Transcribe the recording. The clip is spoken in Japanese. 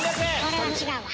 これは違うわ。